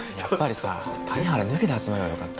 谷原抜きで集まればよかった